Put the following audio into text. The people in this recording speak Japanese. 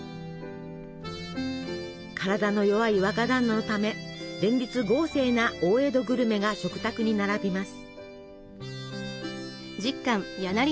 体の弱い若だんなのため連日豪勢な大江戸グルメが食卓に並びます。